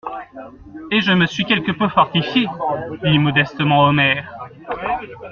Et je m'en suis quelque peu fortifié, dit modestement Omer.